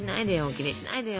気にしないでよ。